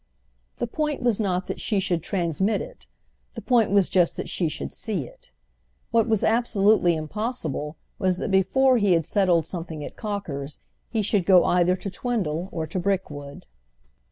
The point was not that she should transmit it; the point was just that she should see it. What was absolutely impossible was that before he had setted something at Cocker's he should go either to Twindle or to Brickwood.